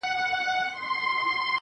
زړگى مي غواړي چي دي خپل كړمه زه.